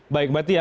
baik mbak tia